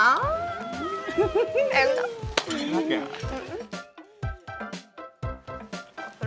aku mau angkat sopin ya